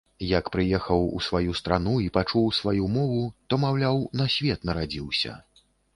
Як прыехаў у сваю старану і пачуў сваю мову, то, маўляў, на свет нарадзіўся.